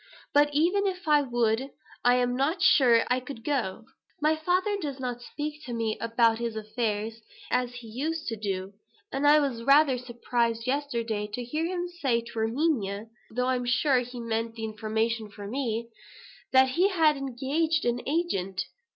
But even if I would, I am not sure that I could go. My father does not speak to me about his affairs, as he used to do; so I was rather surprised yesterday to hear him say to Erminia (though I'm sure he meant the information for me), that he had engaged an agent."